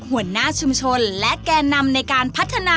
สวัสดีครับ